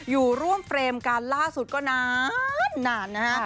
อยู่ร่วมเฟรมกันล่าสุดก็นานนะฮะ